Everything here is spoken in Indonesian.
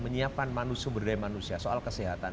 menyiapkan manu sumber daya manusia soal kesehatan